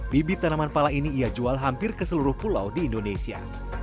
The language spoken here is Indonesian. bibit tanaman pala ini ia jual hampir ke seluruh pulau di indonesia